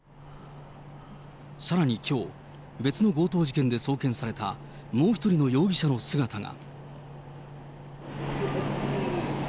さらにきょう、別の強盗事件で送検されたもう１人の容疑者の姿が。